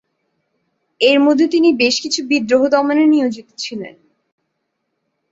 এর মধ্যে তিনি বেশ কিছু বিদ্রোহ দমনে নিয়োজিত ছিলেন।